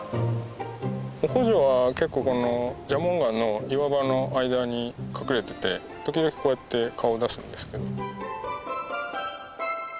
オコジョは結構この蛇紋岩の岩場の間に隠れてて時々こうやって顔出すんですけど。